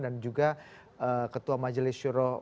dan juga ketua majelis syuruh